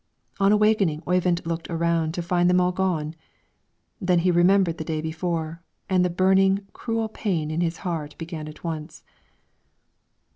On awaking Oyvind looked around to find them all gone; then he remembered the day before, and the burning, cruel pain in his heart began at once.